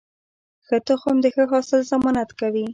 ښه تخم د ښه حاصل ضمانت کوي.